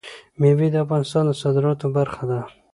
مېوې د افغانستان د صادراتو برخه ده.